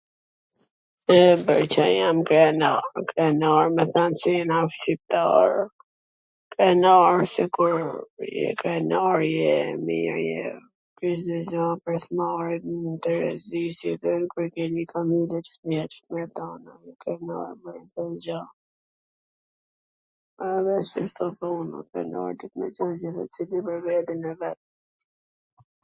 E, pwr Ca jam krenar? Krenar me than se jena shqiptar, ... krenar se kur Cdo gja a pwr s mbari, n terezi ... krenar pwr Cdo gja edhe si Cdo pun krenar duhet me qwn secili pwr veten e vet.